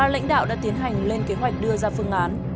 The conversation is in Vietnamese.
ba lãnh đạo đã tiến hành lên kế hoạch đưa ra phương án